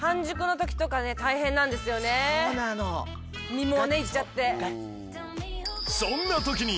身もねいっちゃって。